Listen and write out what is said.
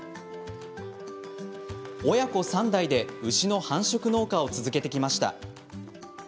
親子３代で牛の繁殖農家を続けてきました。